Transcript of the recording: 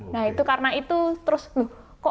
nah itu karena itu terus loh kok